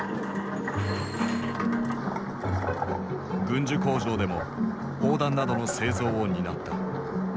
軍需工場でも砲弾などの製造を担った。